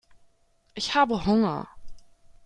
Ich habe Hunger.